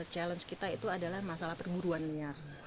challenge kita itu adalah masalah perburuan liar